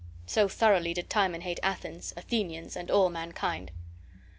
So thoroughly did Timon hate Athens, Athenians, and all mankind.